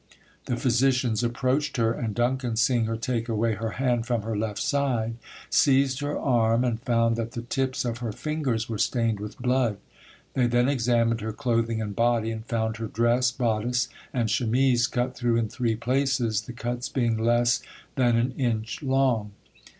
The physicians approached her, and Duncan seeing her take away her hand from her left side, seized her arm, and found that the tips of her fingers were stained with blood. They then examined her clothing and body, and found her dress, bodice, and chemise cut through in three places, the cuts being less than an inch long.